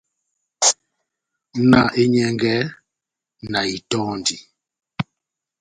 Na enyɛngɛ, na itɔndi.